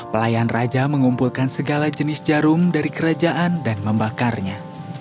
pelayan raja mengumpulkan segala jenis jarum dari kerajaan dan membakarnya